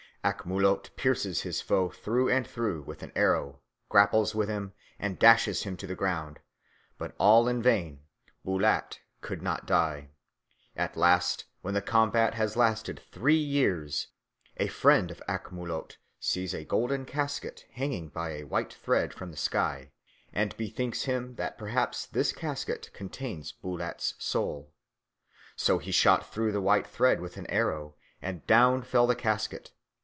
Ak Molot pierces his foe through and through with an arrow, grapples with him, and dashes him to the ground, but all in vain, Bulat could not die. At last when the combat has lasted three years, a friend of Ak Molot sees a golden casket hanging by a white thread from the sky, and bethinks him that perhaps this casket contains Bulat's soul. So he shot through the white thread with an arrow, and down fell the casket.